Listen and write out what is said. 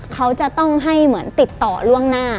เขาจะต้องให้เหมือนติดต่อล่วงหน้า